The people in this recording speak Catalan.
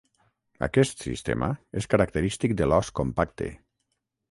Aquest sistema és característic de l'os compacte.